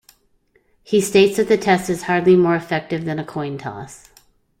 He states that the test is hardly more effective than a coin toss.